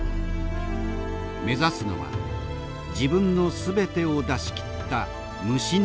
目指すのは自分の全てを出しきった無心の一撃。